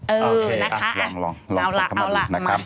เออนะคะเอาล่ะเอาล่ะนะครับ